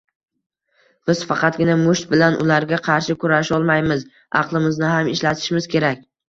Biz faqatgina musht bilan ularga qarshi kurasholmaymiz, aqlimizni ham ishlatishimiz kerak